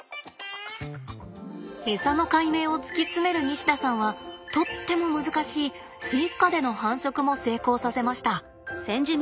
エサの解明を突き詰める西田さんはとっても難しい飼育下での繁殖も成功させました。